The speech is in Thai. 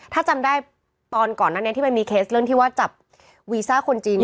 ถ้าจำได้ตอนก่อนหน้านี้ที่มันมีเคสเรื่องที่ว่าจับวีซ่าคนจีน